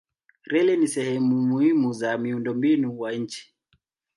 Reli ni sehemu muhimu za miundombinu wa nchi.